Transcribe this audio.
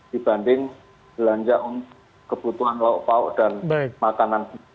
dibanding belanja untuk kebutuhan lauk pauk dan makanan